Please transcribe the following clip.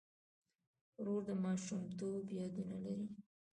ورور د ماشومتوب یادونه لري.